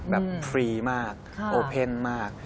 แบบฟรีมากโอเป็นมาก